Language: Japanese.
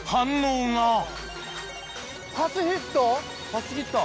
初ヒット。